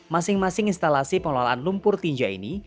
masing masing instalasi pengelolaan lumpur tinja ini